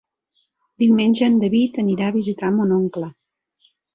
Diumenge en David anirà a visitar mon oncle.